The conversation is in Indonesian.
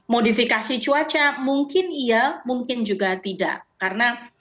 modifikasi cuaca mungkin iya mungkin juga tidak karena